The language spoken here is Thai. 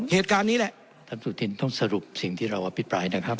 เหตุการณ์นี้แหละ